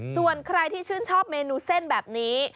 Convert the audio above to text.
ส่วนใครที่ชื่นชอบเมนูเส้นแบบนี้